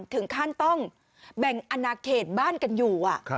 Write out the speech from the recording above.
ถึงขั้นต้องแบ่งอนาเขตบ้านกันอยู่